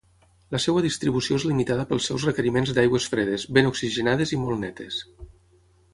La seua distribució és limitada pels seus requeriments d'aigües fredes, ben oxigenades i molt netes.